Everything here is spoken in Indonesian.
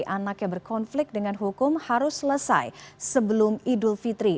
anak yang berkonflik dengan hukum harus selesai sebelum idul fitri